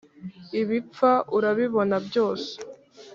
ibipfa urabibona byose